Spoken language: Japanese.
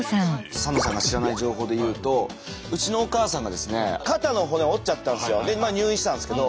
サンドさんが知らない情報で言うとうちのお母さんがですね肩の骨を折っちゃったんですよ。で入院してたんですけど。